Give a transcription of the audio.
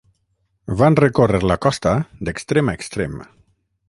Van recórrer la costa d'extrem a extrem.